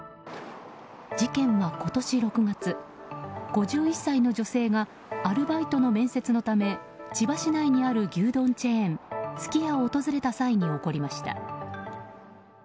事件は、今年６月５１歳の女性がアルバイトの面接のため千葉市内にある牛丼チェーンすき家を訪れた際に起こりました。